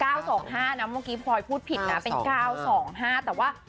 เมื่อกี้พลอยพูดผิดนะเป็น๙๒๕แต่ว่า